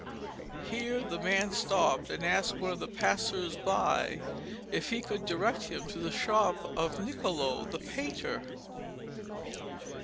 Here the man stopped, and asked one of the passers by if he could direct him to the shop of Niccolo the painter.